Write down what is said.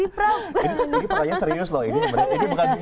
ini pertanyaan serius loh ini sebenarnya